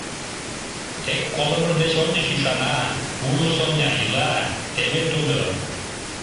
Тек колымыж деч ончыч ӱшана: уло Соня, ила — теве тудо.